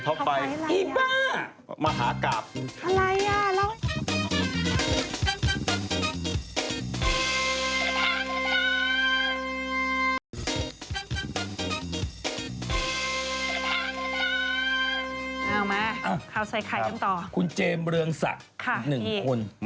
ค่ะที่มหากราบใช่ไหม